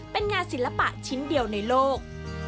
เป็นงานศิลปะชิ้นเดียวในโลก